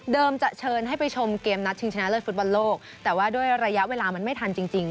จะเชิญให้ไปชมเกมนัดชิงชนะเลิศฟุตบอลโลกแต่ว่าด้วยระยะเวลามันไม่ทันจริง